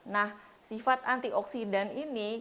nah sifat antioksidan ini